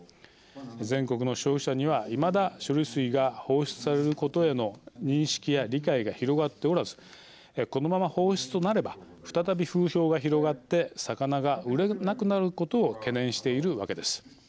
全国の消費者にはいまだ処理水が放出されることへの認識や理解が広がっておらずこのまま放出となれば再び風評が広がって魚が売れなくなることを懸念しているわけです。